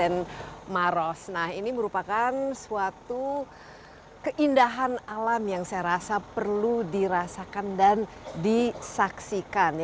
nah ini merupakan suatu keindahan alam yang saya rasa perlu dirasakan dan disaksikan